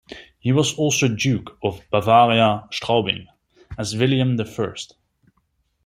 He was also Duke of Bavaria-Straubing as William the First.